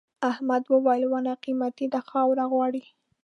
احمد وويل: ونې قيمتي دي خاوره غواړي.